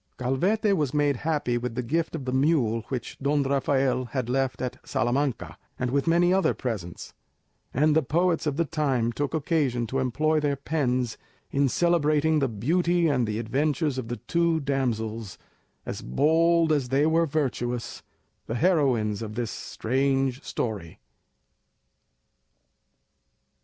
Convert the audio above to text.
Calvete was made happy with the gift of the mule which Don Rafael had left at Salamanca, and with many other presents; and the poets of the time took occasion to employ their pens in celebrating the beauty and the adventures of the two damsels, as bold as they were virtuous, the heroines of this strange story.